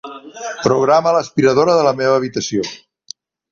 Programa l'aspiradora de la meva habitació.